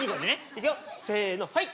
いくよせのはい！